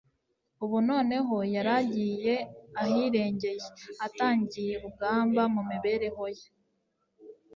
Ubu noneho, yari agiye ahirengeye, atangiye urugamba mu mibereho ye